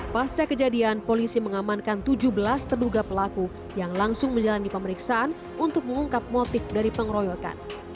pasca kejadian polisi mengamankan tujuh belas terduga pelaku yang langsung menjalani pemeriksaan untuk mengungkap motif dari pengeroyokan